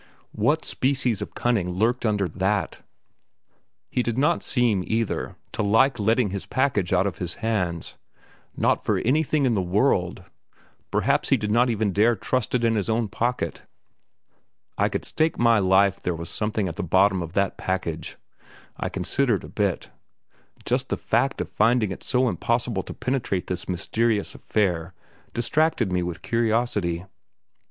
What species of cunning lurked under that? He did not seem either to like letting his package out of his hands, not for anything in the world; perhaps he did not even dare trust it into his own pocket. I could stake my life there was something at the bottom of that package I considered a bit. Just the fact of finding it so impossible to penetrate this mysterious affair distracted me with curiosity.